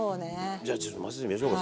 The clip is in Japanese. じゃあちょっと混ぜてみましょうか。